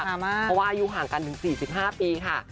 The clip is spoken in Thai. เพราะว่าอายุห่างกันถึง๔๕ปีค่ะ